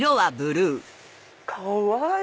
かわいい！